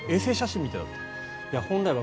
衛星写真みたいだった。